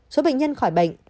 số bệnh nhân khỏi bệnh